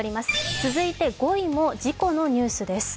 続いては５位も事故のニュースです